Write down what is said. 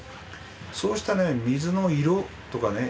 そうしたね水の色とかね